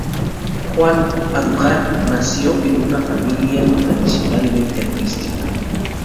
Juan Andújar nació en una familia tradicionalmente artística.